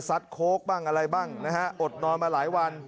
โค้กบ้างอะไรบ้างนะฮะอดนอนมาหลายวัน